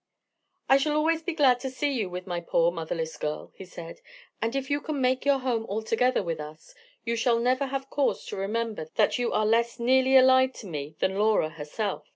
"I shall always be glad to see you with my poor motherless girl," he said; "and if you can make your home altogether with us, you shall never have cause to remember that you are less nearly allied to me than Laura herself."